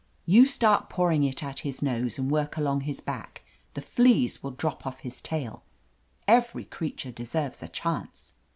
You start pouring it at his nose and work along his back. The fleas will drop off his tail. Every creature deserves a chance."